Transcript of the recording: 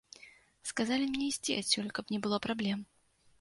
Сказалі мне ісці адсюль, каб не было праблем.